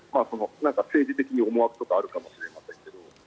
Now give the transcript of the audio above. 政治的に思惑とかはあるかもしれませんけど。